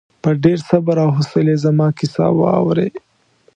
په ډېر صبر او حوصلې زما کیسه واورې.